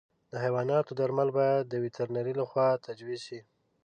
د حیواناتو درمل باید د وترنر له خوا تجویز شي.